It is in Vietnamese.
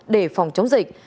để phòng chống dịch